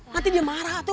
nanti dia marah atu